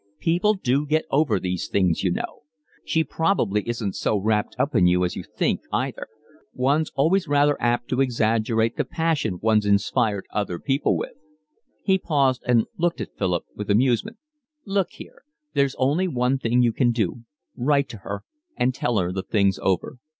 People do get over these things, you know. She probably isn't so wrapped up in you as you think, either. One's always rather apt to exaggerate the passion one's inspired other people with." He paused and looked at Philip with amusement. "Look here, there's only one thing you can do. Write to her, and tell her the thing's over.